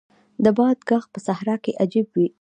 د باد ږغ په صحرا کې عجیب وي.